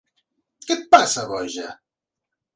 Què et passa, boja?